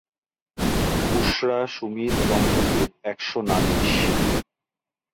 বুশরা-সুমিত দম্পতির ‘একশো নালিশ’